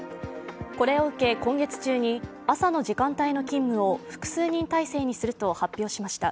これを受け、今月中に朝の時間帯の勤務を複数人体制にすると発表しました。